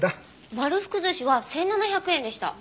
丸福寿司は１７００円でした。